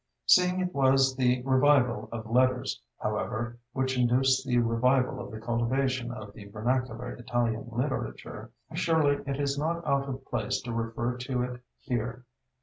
Seeing it was the "Revival of Letters," however, which induced the revival of the cultivation of the vernacular Italian literature, surely it is not out of place to refer to it here.